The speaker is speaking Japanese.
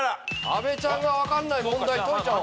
阿部ちゃんが分かんない問題解いちゃお。